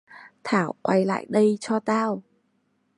Thảo quay lại đây cho tao